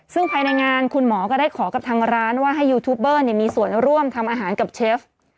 ซึ่งภายในงานคุณหมอก็ได้ขอกับทางร้านว่าให้ยูทูบเบอร์มีส่วนร่วมทำอาหารกับเชฟ